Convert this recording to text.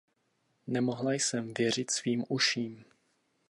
Nemohla jsem věřit svým uším.